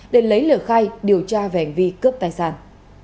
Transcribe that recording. để lấy lời khai điều tra về hành vi cướp tài sản